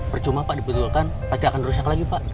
percuma pak dibetulkan pasti akan rusak lagi pak